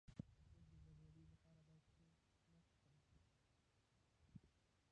د خوب د ګډوډۍ لپاره باید څه مه څښم؟